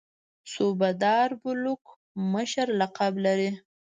صوبه دار بلوک مشر لقب لري.